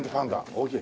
大きい。